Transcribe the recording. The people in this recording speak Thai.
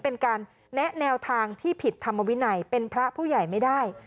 เป็นการแนะแนวทางที่ผิดธรรมวินัยเป็นพระผู้ใหญ่ไม่ได้